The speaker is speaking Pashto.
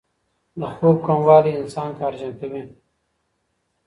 د خوب کموالی انسان قهرجن کوي.